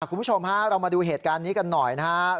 คุณผู้ชมฮะเรามาดูเหตุการณ์นี้กันหน่อยนะครับ